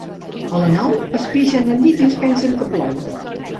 A la Nou es pixen al llit i es pensen que plou.